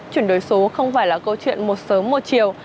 chuyển đổi số không phải là câu chuyện một sớm một chiều